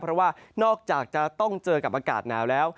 เพราะว่านอกจากจะต้องเจอกับอากาศหนาวแล้ว